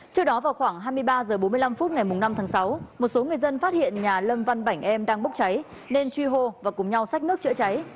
trước đó vào khoảng hai mươi ba h bốn mươi năm phút ngày năm tháng sáu một số người dân phát hiện nhà lâm văn bảnh em đang bốc cháy nên truy hô và cùng nhau sách nước chữa cháy